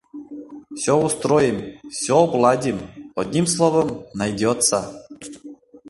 Все устроим, все обладим, одним словом, найдётся.